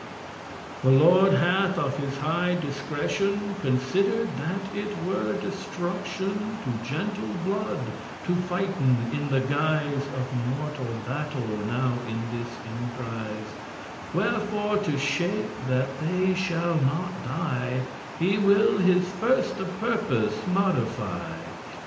"The lord hath of his high discretion Considered that it were destruction To gentle blood, to fighten in the guise Of mortal battle now in this emprise: Wherefore to shape* that they shall not die, *arrange, contrive He will his firste purpose modify.